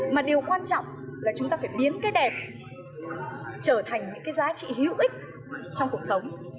mà điều quan trọng là chúng ta phải biến cái đẹp trở thành những cái giá trị hữu ích trong cuộc sống